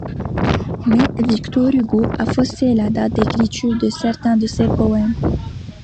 Mais Victor Hugo a faussé la date d'écriture de certains de ses poèmes.